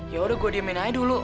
yaudah gue dimenang aja dulu